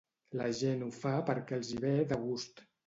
La gent ho fa perquè els hi ve de gust.